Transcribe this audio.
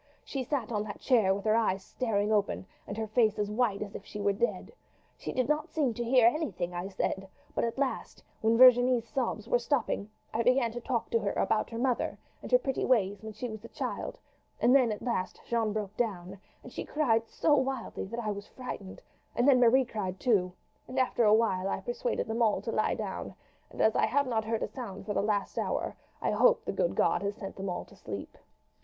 She sat on that chair with her eyes staring open and her face as white as if she were dead. She did not seem to hear anything I said; but at last, when Virginie's sobs were stopping, I began to talk to her about her mother and her pretty ways when she was a child, and then at last Jeanne broke down, and she cried so wildly that I was frightened, and then Marie cried too; and after a while I persuaded them all to lie down; and as I have not heard a sound for the last hour I hope the good God has sent them all to sleep."